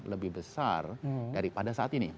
lebih besar daripada saat ini